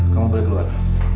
kamu boleh keluar